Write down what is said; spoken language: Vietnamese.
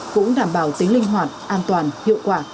cũng đảm bảo tính linh hoạt an toàn hiệu quả